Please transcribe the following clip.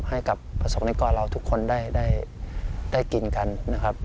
ให้กับประสงค์นิกรเราทุกคนได้กินกันนะครับ